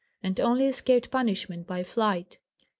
and only escaped punishment by flight.